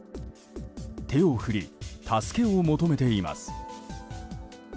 手を振り、助けを求めています。